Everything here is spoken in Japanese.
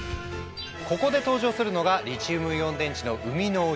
ここで登場するのがリチウムイオン電池の生みの親